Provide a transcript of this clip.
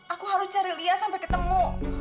aku harus cari lia sampai ketemu